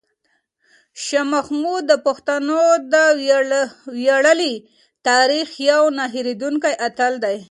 شاه محمود د پښتنو د ویاړلي تاریخ یو نه هېرېدونکی اتل دی.